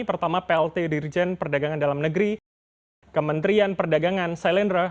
pertama plt dirjen perdagangan dalam negeri kementerian perdagangan sailendra